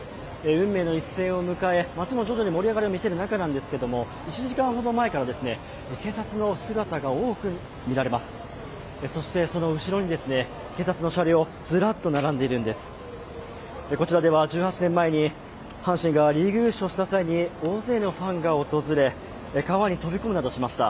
運命の一戦を迎え、街も徐々に盛り上がりを見せる中なんですけど１時間ほど前から警察の姿が多く見られます、そしてその後ろに警察の車両がずっと並んでいるんです、こちらでは１８年前に阪神がリーグ優勝した際に大勢のファンが訪れ、川に飛び込むなどしました。